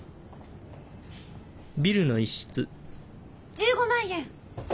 １５万円！？